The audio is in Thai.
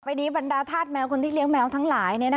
ดีบรรดาธาตุแมวคนที่เลี้ยงแมวทั้งหลาย